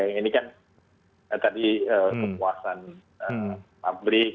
ini kan tadi kepuasan pabrik